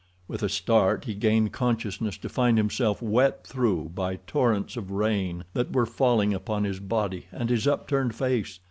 With a start he gained consciousness to find himself wet through by torrents of rain that were falling upon his body and his upturned face.